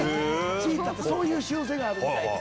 チーターってそういう習性があるみたいで。